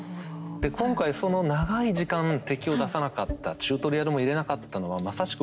で今回その長い時間敵を出さなかったチュートリアルも入れなかったのはまさしく